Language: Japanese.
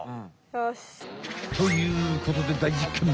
よし！ということで大実験！